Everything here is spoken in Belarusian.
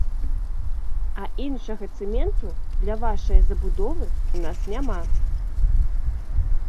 А іншага цэменту для вашае забудовы ў нас няма.